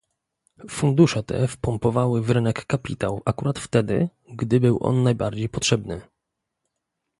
Fundusze te wpompowały w rynek kapitał akurat wtedy, gdy był on najbardziej potrzebny